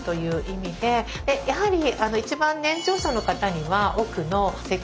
でやはり一番年長者の方には奥の席。